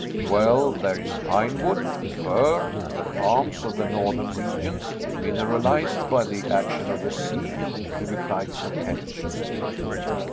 "Well, there is pinewood, fir, and the palms of the northern regions, mineralized by the action of the sea," he replied, sententiously.